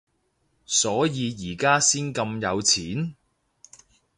所以而家先咁有錢？